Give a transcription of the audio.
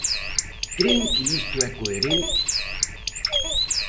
¿Cren que isto é coherente?